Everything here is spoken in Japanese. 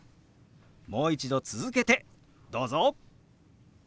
もう一度続けてどうぞ！